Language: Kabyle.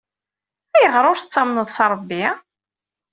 Ayɣer ur tettamneḍ s Ṛebbi?